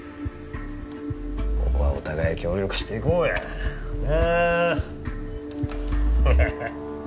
ここはお互い協力していこうやな